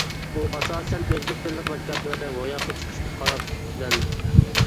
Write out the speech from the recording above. ئۇ ئاساسەن ئۆزبېك تىللىق مەكتەپلەردە روياپقا چىقىشقا قاراپ يۈزلەندى.